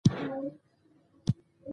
عنبربويه او سنبل مويه نه ده